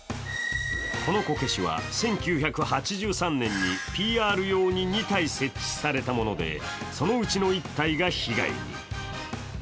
このこけしは、１９８３年にＰＲ用に２体設置されたもので、そのうちの１体が被害に。